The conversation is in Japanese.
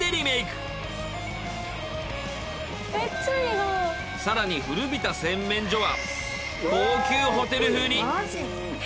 なんと更に古びた洗面所は高級ホテル風に。